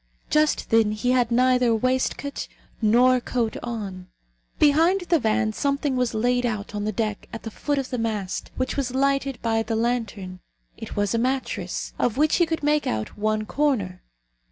Just then he had neither waistcoat nor coat on. Behind the van something was laid out on the deck at the foot of the mast, which was lighted by the lantern. It was a mattress, of which he could make out one corner.